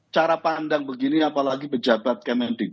cara pandang begini apalagi pejabat kementerian pendidikan